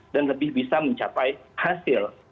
dan lebih bisa mencapai hasil